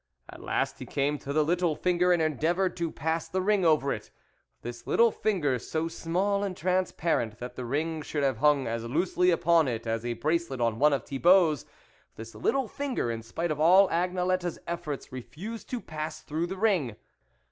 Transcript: At last he came to the little finger and endeavoured to pass the ring over it. This little finger, so small and transparent, that the ring should have hung as loosely upon it as a bracelet on one of Thibault's, this little finger, in spite of all Agnelette's efforts, refused to pass through the ring.